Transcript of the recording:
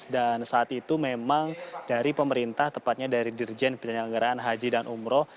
dan saat itu memang dari pemerintah tepatnya dari dirjen penyelenggaraan haji dan umroh